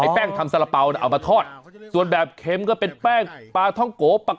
แป้งทำสละเปาเอามาทอดส่วนแบบเข็มก็เป็นแป้ง